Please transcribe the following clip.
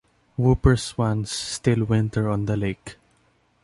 Whooper swans still winter on the lake.